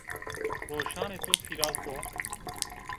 Roşanê to fîraz bo